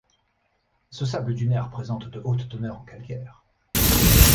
Ce sable dunaire présente de hautes teneurs en calcaire.